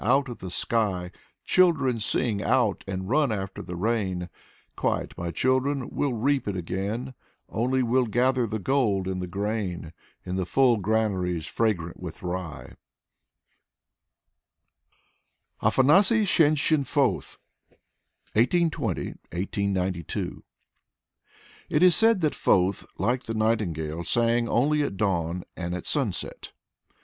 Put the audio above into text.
out of the sky !" Children sing out and run after the rain. " Quiet, my children, we'll reap it again, Only we*ll gather the gold in the grain — In the full granaries fragrant with ryeJ }» Afanasy Shenshin Foeth (1820 1892) It is said that Foeth, like the nightingale, sang only at dawn and at sunset.